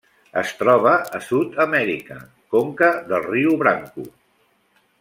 Es troba a Sud-amèrica: conca del riu Branco.